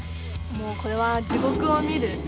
もうこれは地獄を見る。